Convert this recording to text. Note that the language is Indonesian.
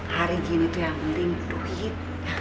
hari gini itu yang penting duit